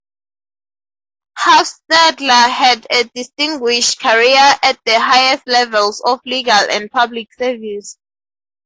Hufstedler had a distinguished career at the highest levels of legal and public service.